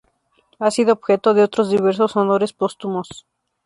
Ha sido objeto de otros diversos honores póstumos.